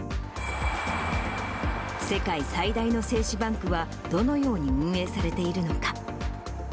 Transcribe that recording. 世界最大の精子バンクは、どのように運営されているのか。